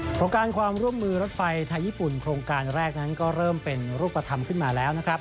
โครงการความร่วมมือรถไฟไทยญี่ปุ่นโครงการแรกนั้นก็เริ่มเป็นรูปธรรมขึ้นมาแล้วนะครับ